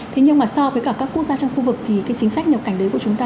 thế nhưng mà so với cả các quốc gia trong khu vực thì cái chính sách nhập cảnh đấy của chúng ta